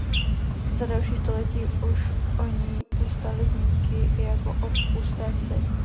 Za další století už o ní ustaly zmínky i jako o pusté vsi.